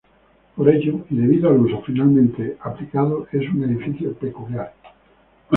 Por ello y debido al uso finalmente aplicado es un edificio peculiar.